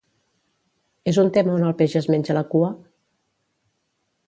És un tema on el peix es menja la cua?